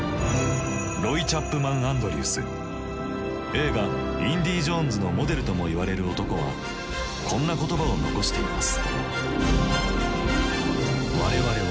映画「インディ・ジョーンズ」のモデルともいわれる男はこんな言葉を残しています。